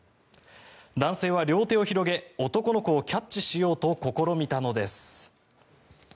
男性は両手を広げ男の子をキャッチしようと試みたのです。